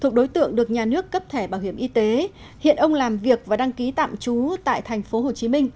thuộc đối tượng được nhà nước cấp thẻ bảo hiểm y tế hiện ông làm việc và đăng ký tạm trú tại thành phố hồ chí minh